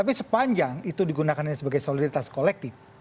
politik identitas panjang itu digunakan sebagai soliditas kolektif